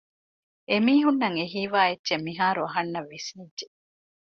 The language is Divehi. އެމީހުންނަށް އެ ހީވާ އެއްޗެއް މިހާރު އަހަންނަށް ވިސްނިއްޖެ